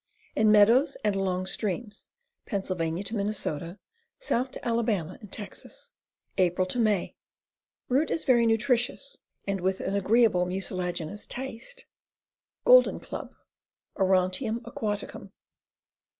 In meadows and along streams. Pa. to Minn., south to Ala. and Texas. Apr May. Root is very nutritious, with an agreeable mucilaginous taste. Golden Club. Orontium aquaticum.